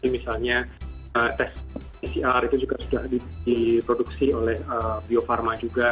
misalnya tes pcr itu juga sudah diproduksi oleh bio farma juga